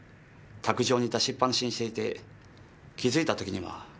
卓上に出しっぱなしにしていて気づいた時には消えていたと。